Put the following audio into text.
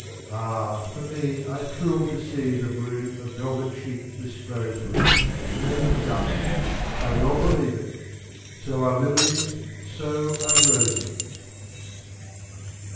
Ah, for me, I thrill to seeThe bloom a velvet cheek discloses, Made of dust—I well believe it! So are lilies, so are roses!